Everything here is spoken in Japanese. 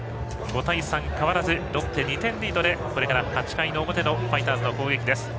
５対３は変わらずロッテ２点リードでこれから８回表のファイターズの攻撃です。